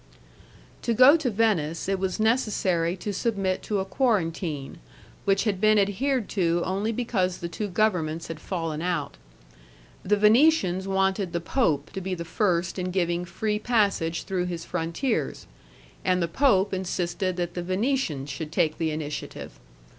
To go to Venice, it was necessary to submit to a quarantine, which had been adhered to only because the two governments had fallen out. The Venetians wanted the Pope to be the first in giving free passage through his frontiers, and the Pope insisted that the Venetians should take the initiative.